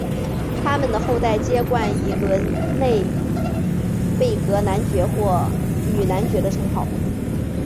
他们的后代皆冠以伦嫩贝格男爵或女男爵的称号。